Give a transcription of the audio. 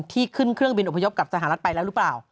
ที่ขึ้นเครื่องบินอพยพกับสหรัฐไปแล้วหรือเปล่า